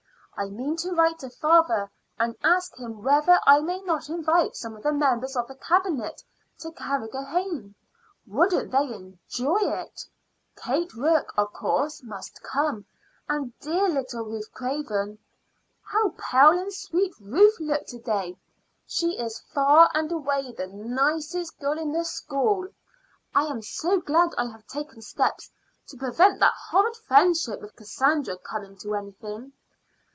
I mean to write to father and ask him whether I may not invite some of the members of the Cabinet to Carrigrohane. Wouldn't they enjoy it? Kate Rourke, of course, must come; and dear little Ruth Craven. How pale and sweet Ruth looked to day! She is far and away the nicest girl in the school. I am so glad I have taken steps to prevent that horrid friendship with Cassandra coming to anything!